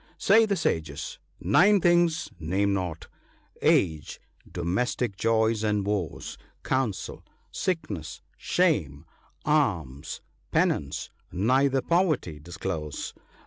—" Say the sages, nine things name not : Age, domestic joys and woes, Counsel, sickness, shame, alms, penance ; neither poverty disclose.